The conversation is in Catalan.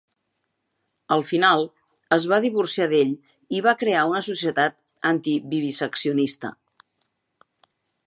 Al final, es va divorciar d'ell i va crear una societat antiviviseccionista.